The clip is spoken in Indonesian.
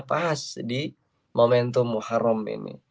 pas di momentum muharram ini